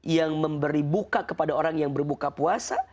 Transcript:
yang memberi buka kepada orang yang berbuka puasa